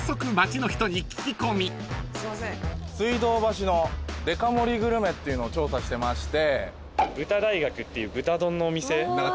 水道橋のデカ盛りグルメっていうのを調査してまして。